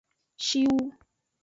Shiwu.